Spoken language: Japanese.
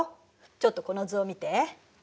ちょっとこの図を見て。